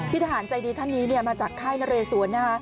ทหารใจดีท่านนี้มาจากค่ายนเรสวน